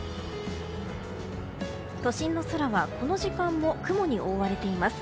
都心の空はこの時間も雲に覆われています。